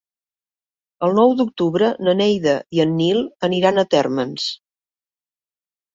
El nou d'octubre na Neida i en Nil aniran a Térmens.